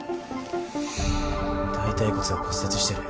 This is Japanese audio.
大腿骨が骨折してる。